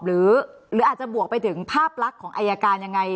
หรืออาจจะบวกไปถึงภาพลักษณ์ของอายการยังไง